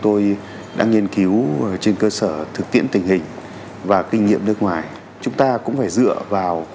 tôi đã nghiên cứu trên cơ sở thực tiễn tình hình và kinh nghiệm nước ngoài chúng ta cũng phải dựa vào